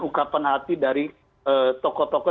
ukapan hati dari tokoh tokoh